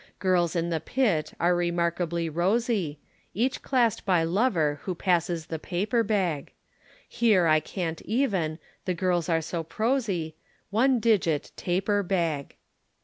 Girls in the pit are remarkably rosy, Each claspt by lover who passes the paper bag; Here I can't even, the girls are so prosy, One digit taper bag.